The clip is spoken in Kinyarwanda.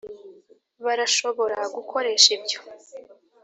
barashobora gukoresha ibyo.